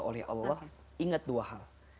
oleh allah ingat dua hal